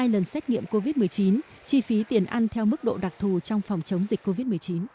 hai lần xét nghiệm covid một mươi chín chi phí tiền ăn theo mức độ đặc thù trong phòng chống dịch covid một mươi chín